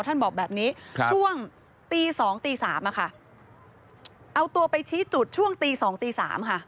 ท่านบอกแบบนี้ช่วงตีสองตีสามอะค่ะเอาตัวไปชี้จุดช่วงตีสองตีสามค่ะ